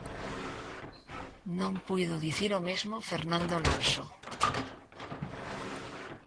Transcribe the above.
Non puido dicir o mesmo Fernando Alonso.